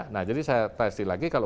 nah jadi saya testing lagi kalau